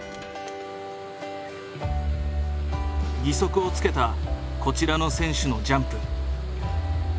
義足をつけたこちらの選手のジャンプ。